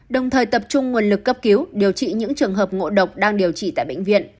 đồng thời tập trung nguồn lực cấp cứu điều trị những trường hợp ngộ độc đang điều trị tại bệnh viện